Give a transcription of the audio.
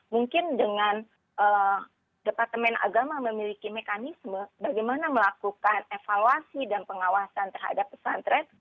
mungkin dengan departemen agama memiliki mekanisme bagaimana melakukan evaluasi dan pengawasan terhadap pesantren